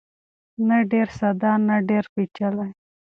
نه ډېر ساده نه ډېر پېچلی.